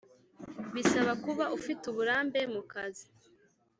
Bisaba kuba ufite uburambe mu kazi